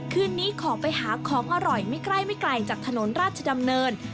คืนนี้ขอไปหาของอร่อยไม่ใกล้ไม่ไกลจากถนนราชดำเนิน